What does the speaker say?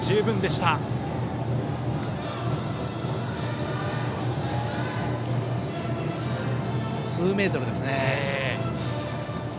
あと数メートルですね。